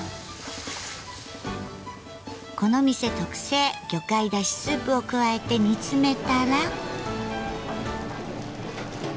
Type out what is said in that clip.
この店特製魚介だしスープを加えて煮詰めたら。